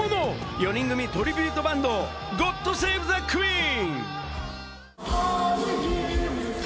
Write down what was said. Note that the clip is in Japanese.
４人組トリビュートバンド、ゴッド・セイヴ・ザ・クイーン。